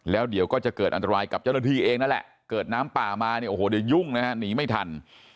แล้วเดี๋ยวก็จะเกิดอันตรายกับเจ้าหน้าที่เองนั่นแหละเกิดน้ำป่ามาเนี่ยโอ้โหเดี๋ยวยุ่งนะฮะหนีไม่ทัน